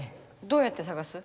どうやってさがす？